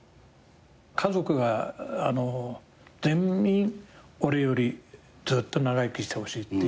家族が全員俺よりずっと長生きしてほしいっていうこと。